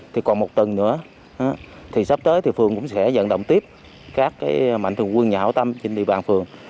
thì còn một tuần nữa thì sắp tới thì phường cũng sẽ dẫn động tiếp các mạnh thường quân nhà hảo tâm trên địa bàn phường